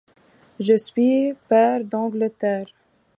Je suis pair d’Angleterre.